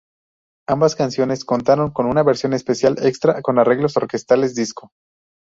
Ambas canciones contaron con una versión especial extra con arreglos orquestales disco.